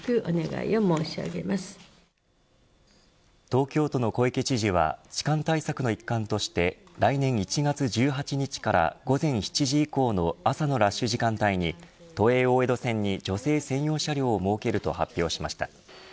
東京都の小池知事は痴漢対策の一環として来年１月１８日から午前７時以降の朝のラッシュ時間帯に都営大江戸線に女性専用車両を設けると発表しました。